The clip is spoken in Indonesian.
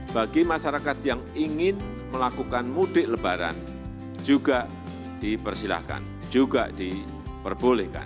bagi masyarakat yang ingin melakukan mudik lebaran juga dipersilahkan juga diperbolehkan